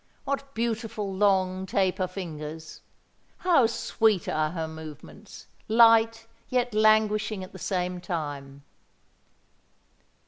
What beautiful, long taper fingers! How sweet are her movements—light, yet languishing at the same time!"